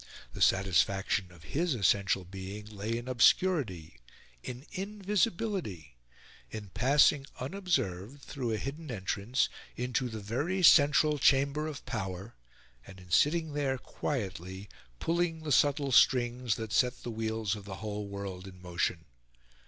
The satisfaction of his essential being lay in obscurity, in invisibility in passing, unobserved, through a hidden entrance, into the very central chamber of power, and in sitting there, quietly, pulling the subtle strings that set the wheels of the whole world in motion.